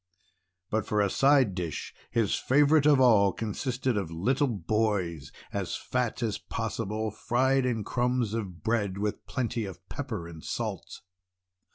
But for a side dish, his favourite of all consisted of little boys, as fat as possible, fried in crumbs of bread with plenty of pepper and salt.